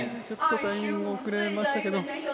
ちょっとタイミング遅れましたけど。